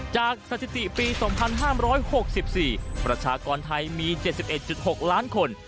สถิติปี๒๕๖๔ประชากรไทยมี๗๑๖ล้านคน